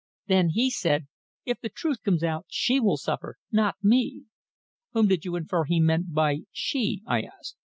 Then he said, 'If the truth comes out, she will suffer, not me.'" "Whom did you infer he meant by she?" I asked.